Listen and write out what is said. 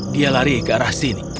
dia lari ke arah sini